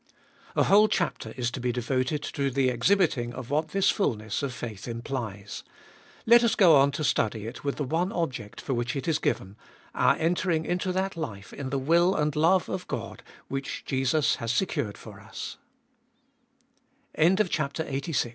4. A whole chapter is to be devoted to the exhibiting of what this fulness of faith implies. Let us go on to study it with the one object for which It is given— our entering into that life in the will and love of Qod which Jesus has secured f